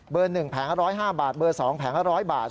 ๑แผงละ๑๐๕บาทเบอร์๒แผงละ๑๐๐บาท